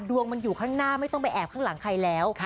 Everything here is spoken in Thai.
ดวงมันอยู่ข้างหน้าไม่ต้องไปแอบข้างหลังใครแล้ว